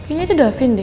kayaknya itu davin deh